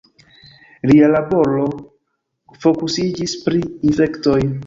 Lia laboro fokusiĝis pri infektoj.